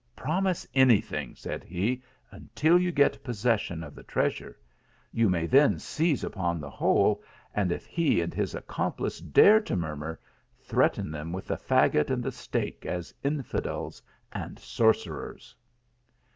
" Prom ise any thing," said he, " until you get possession of the treasure. You may then seize upon the whole, and if he and his accomplice dare to murmur, threaten them with the faggot and the stake as in fidels and sorcerers."